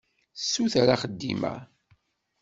Tessuter axeddim-a.